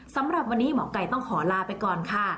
สำหรับวันนี้หมอไก่ต้องขอลาไปก่อนค่ะ